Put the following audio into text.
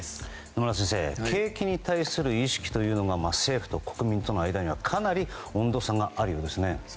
野村先生景気に対する意識というのが政府と国民との間にはかなり温度差があるようですね。